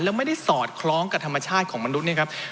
แล้วไม่ได้สอดคล้องกับธรรมชาติของมนุษย์เนี่ยครับ